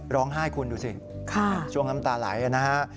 ร้องไห้คุณดูสิช่วงน้ำตาไหลนะฮะ